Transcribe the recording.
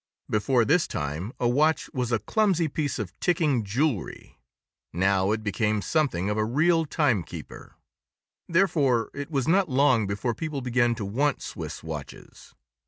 Before this time, a watch was a clumsy piece of ticking jewelry; now it became something of a real time keeper. Therefore, it was not long before people began to want Swiss watches.